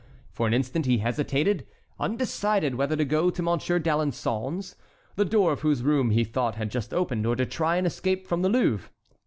For an instant he hesitated, undecided whether to go to Monsieur d'Alençon's, the door of whose room he thought had just opened, or to try and escape from the Louvre.